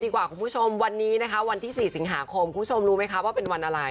คุณผู้ชมวันนี้นะคะวันที่๔สิงหาคมคุณผู้ชมรู้ไหมคะว่าเป็นวันอะไร